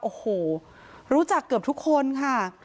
โอ้โหรู้จักเกือบทุกคนค่ะ